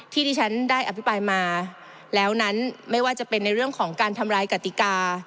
ที่ที่ฉันได้อภิปรายมาแล้วนั้นไม่ว่าจะเป็นในเรื่องของการทำลายกติกา